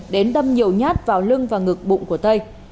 đến đâm nhiều nhát vào lưng và ngực bụng của tây